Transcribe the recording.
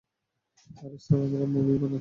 আরে, স্যার আমরা মুভি বানাচ্ছি।